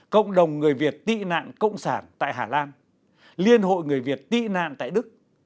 cộng đồng người việt tị nạn cộng sản tại hà lan liên hội người việt tị nạn tại đức